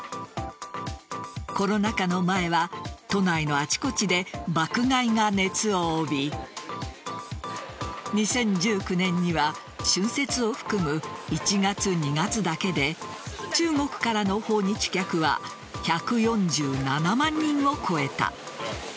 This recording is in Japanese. コロナ禍の前は都内のあちこちで爆買いが熱を帯び２０１９年には春節を含む１月、２月だけで中国からの訪日客は１４７万人を超えた。